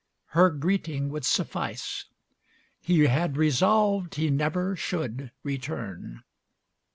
Her greeting would suffice. He had resolved he never should return.